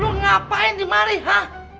lu ngapain dimari ha